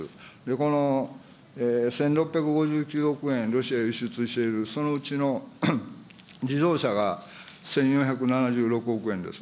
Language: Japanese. この１６５９億円、ロシアへ輸出している、そのうちの自動車が１４７６億円です。